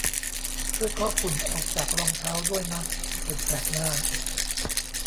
ช่วยเคาะฝุ่นออกจากรองเท้าด้วยนะคนแปลกหน้า